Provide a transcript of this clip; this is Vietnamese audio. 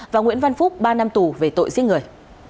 và nguyễn văn phúc ba năm tù về tội giết người